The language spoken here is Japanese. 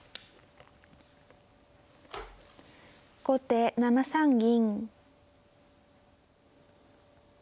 後手７三銀。